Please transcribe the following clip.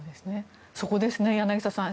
そこですね、柳澤さん。